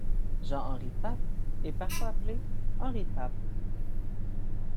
Jean-Henri Pape est parfois appelé Henri Pape.